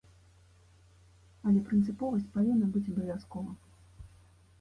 Але прынцыповасць павінна быць абавязкова.